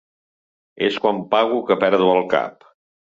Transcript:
Es quan pago que perdo el cap.